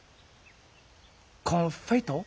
コンフェイト？